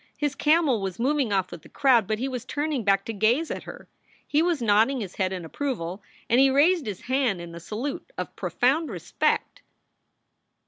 His camel was moving off with the crowd, but he was turning back to gaze at her. He was nodding his head in approval and he raised his hand in a salute of profound respect.